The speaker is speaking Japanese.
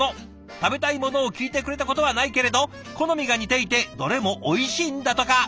食べたいものを聞いてくれたことはないけれど好みが似ていてどれもおいしいんだとか。